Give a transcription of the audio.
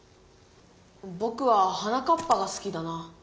ぼくは「はなかっぱ」がすきだな。